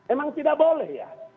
emang tidak boleh ya